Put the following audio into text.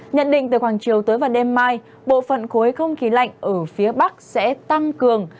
nhận định từ khoảng chiều tối và đêm mai bộ phận khối không khí lạnh ở phía bắc sẽ tăng cường